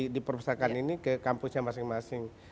di perpustakaan ini ke kampusnya masing masing